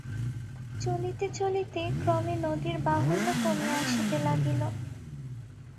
চলিতে চলিতে ক্রমে নদীর বাহুল্য কমিয়া আসিতে লাগিল।